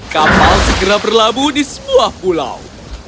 kapal segera berlabuh di sebuah pulau